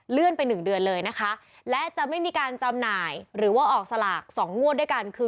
เลื่อนไป๑เดือนเลยและจะไม่มีการจำหน่ายหรือว่าออกสลาก๒งวดด้วยกันคือ